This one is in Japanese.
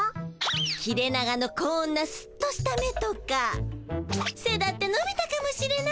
切れ長のこんなスッとした目とかせだってのびたかもしれないし。